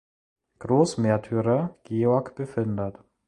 Großmärtyrer Georg befindet.